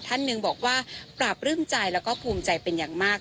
ท่านหนึ่งบอกว่าปราบรื่มใจแล้วก็ภูมิใจเป็นอย่างมาก